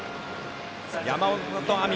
山本亜美